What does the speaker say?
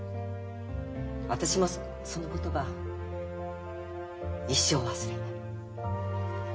私もその言葉一生忘れない。